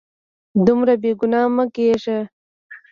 دومره بې ګناه مه کیږه